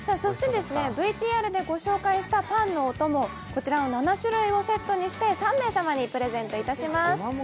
ＶＴＲでご紹介したパンのおとも、こちらの７種類をセットにして３名様にプレゼントします。